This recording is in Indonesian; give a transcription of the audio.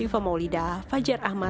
dan juga mencari penyakit yang terlalu besar